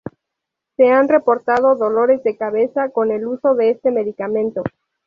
Se han reportado dolores de cabeza con el uso de este medicamento.